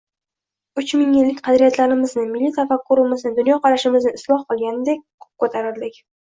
uchinchi ming yillik qadriyatlarimizni, milliy tafakkurimizni, dunyoqarashimizni isloh qilgandek, ko'p ko'tarildik.